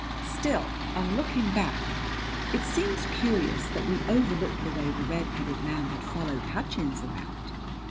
Still, on looking back, it seems curious that we overlooked the way the red headed man had followed Hutchins about.